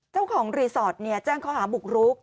เจ้าของรีสอร์ทแจ้งข้อหาบุกรุก